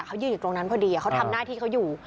เขายืนอยู่ตรงนั้นพอดีเขาทำหน้าที่เขาอยู่